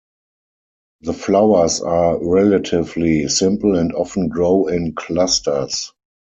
The flowers are relatively simple and often grow in clusters.